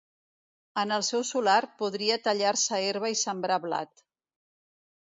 En el seu solar podria tallar-se herba i sembrar blat.